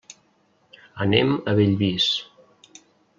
Anem a Bellvís.